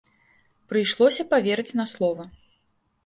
Прыйшлося паверыць на слова.